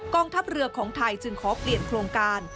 ทัพเรือของไทยจึงขอเปลี่ยนโครงการ